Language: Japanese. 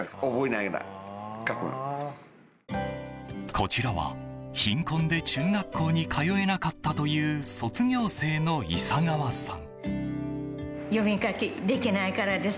こちらは、貧困で中学校に通えなかったという卒業生の伊差川さん。